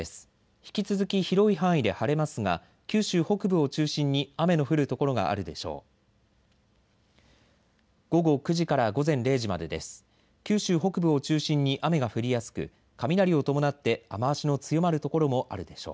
引き続き広い範囲で晴れますが九州北部を中心に雨の降る所があるでしょう。